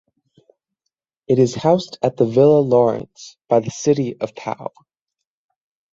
It is housed at the Villa Lawrance by the City of Pau.